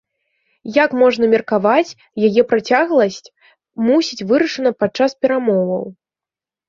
Як можна меркаваць, яе працягласць мусіць вырашана падчас перамоваў.